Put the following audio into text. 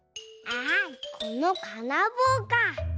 あこのかなぼうか。